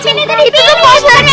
itu mengganggu saja